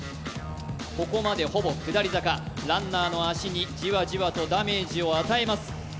ここまでほぼ下り坂、ランナーの足にじわじわとダメージを与えます。